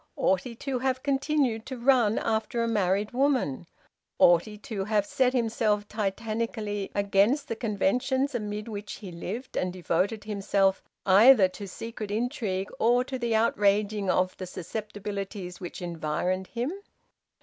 Ought he to have continued to run after a married woman? Ought he to have set himself titanically against the conventions amid which he lived, and devoted himself either to secret intrigue or to the outraging of the susceptibilities which environed him?